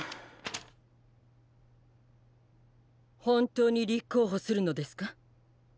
本当に立候補するのですか？